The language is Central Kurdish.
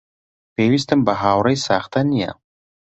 پێویستم بە هاوڕێی ساختە نییە.